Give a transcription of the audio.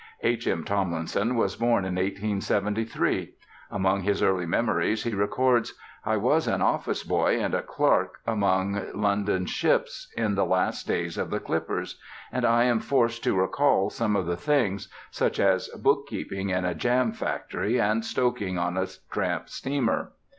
H. M. Tomlinson was born in 1873; among his early memories he records: "I was an office boy and a clerk among London's ships, in the last days of the clippers. And I am forced to recall some of the things such as bookkeeping in a jam factory and stoking on a tramp steamer."